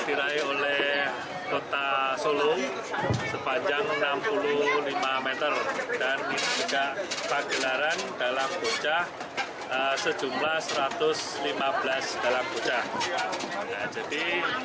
diraih oleh kota solo sepanjang enam puluh lima m dan juga pagelaran dalam bocah sejumlah satu ratus lima belas dalam bocah jadi